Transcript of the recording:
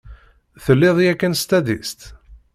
Telliḍ yakan s tadist?